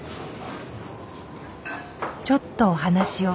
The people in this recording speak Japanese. ちょっとお話を。